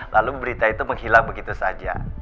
lalu berita itu menghilang begitu saja